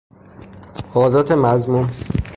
عادت مذموم